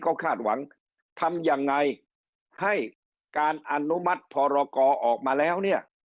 เขาคาดหวังทำยังไงให้การอนุมัติพรกอออกมาแล้ว